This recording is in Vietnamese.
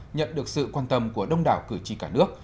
nhận được sự quan tâm của đông đảo cử tri cả nước